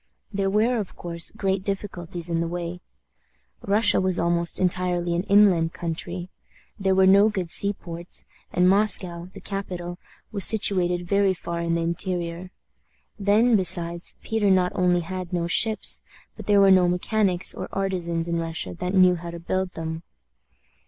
There were, of course, great difficulties in the way. Russia was almost entirely an inland country. There were no good sea ports, and Moscow, the capital, was situated very far in the interior. Then, besides, Peter not only had no ships, but there were no mechanics or artisans in Russia that knew how to build them.